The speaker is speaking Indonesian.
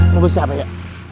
mau besok apa ya